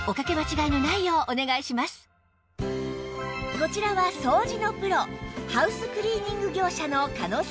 こちらは掃除のプロハウスクリーニング業者の狩野さん